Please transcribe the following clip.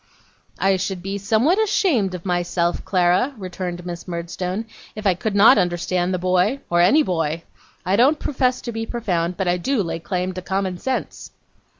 'I should be somewhat ashamed of myself, Clara,' returned Miss Murdstone, 'if I could not understand the boy, or any boy. I don't profess to be profound; but I do lay claim to common sense.